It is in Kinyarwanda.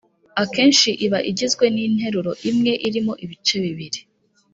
Akenshi iba igizwe n’interuro imwe irimo ibice bibiri